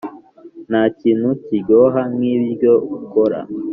ntakintu kiryoha nkibiryo ukora.